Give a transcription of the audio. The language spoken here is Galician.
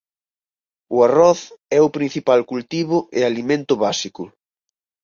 O arroz é o principal cultivo e alimento básico.